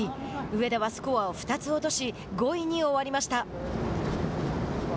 上田はスコアを２つ落とし５位に終わりました。